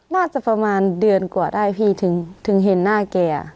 น่าจะประมาณเดือนกว่าได้พี่ถึงเห็นหน้าแก